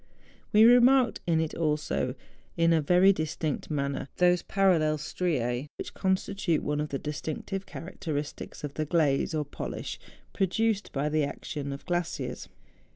We remarked in it also, in a very distinct manner, those parallel strijB which constitute one of the distinctive characteristics 68 MOUNTAIN ADVENTURES. of the glaze or polish produced by the action of glaciers.